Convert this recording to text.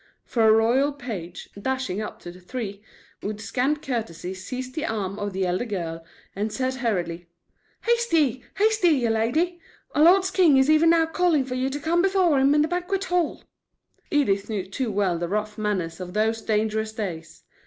For a royal page, dashing up to the three, with scant courtesy seized the arm of the elder girl, and said hurriedly: "Haste ye, haste ye, my lady! Our lord king is even now calling for you to come before him in the banquet hall." Edith knew too well the rough manners of those dangerous days.